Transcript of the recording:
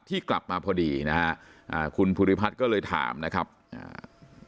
ที่กลับมาพอดีนะฮะอ่าคุณภูริพัฒน์ก็เลยถามนะครับอ่า